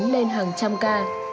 lên hàng trăm ca